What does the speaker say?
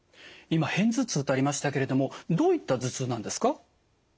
今片頭痛とありましたけれどもどういった頭痛なんですか？